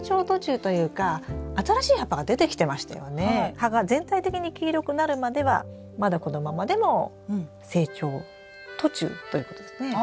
葉が全体的に黄色くなるまではまだこのままでも成長途中ということですね。